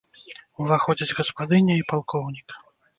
Уваходзяць гаспадыня і палкоўнік.